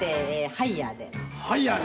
ハイヤーで。